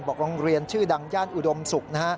บอกโรงเรียนชื่อดังย่านอุดมศุกร์